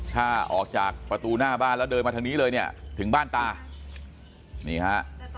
ถ้าออกจากประตูหน้าบ้านแล้วเดินมาทางนี้เลยเนี่ยถึงบ้านตานี่ฮะ